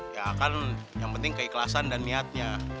ya kan yang penting keikhlasan dan niatnya